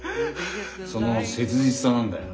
その切実さなんだよ